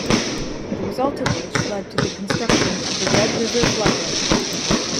The result of which led to the construction of the Red River Floodway.